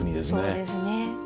そうですね。